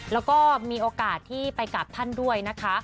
แล้วก็มีโอกาสที่ไปกราบท่านด้วยนะคะ